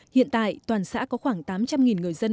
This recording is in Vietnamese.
hiện tại toàn xã có khoảng tám trăm linh người dân